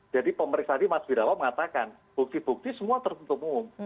jadi pemeriksaan di mas birawang mengatakan bukti bukti semua tertutup untuk umum